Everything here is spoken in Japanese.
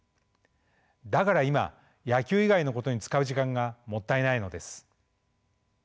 だから今野球以外のことに使う時間がもったいないのです。